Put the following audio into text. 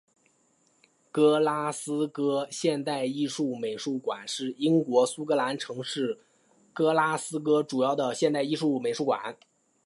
格拉斯哥现代艺术美术馆是英国苏格兰城市格拉斯哥主要的现代艺术美术馆。